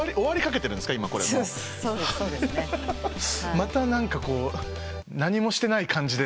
また何か何もしてない感じで。